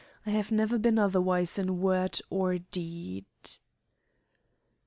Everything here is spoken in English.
I have never been otherwise in word or deed."